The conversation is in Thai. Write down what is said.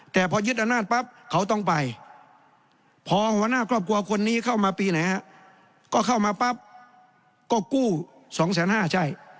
แต่พอยึดอำนาจปั๊บเขาต้องไปพอหัวหน้าครอบครัวคนนี้เข้ามาปีไหนฮะก็เข้ามาปั๊บก็กู้๒๕๐๐ใช่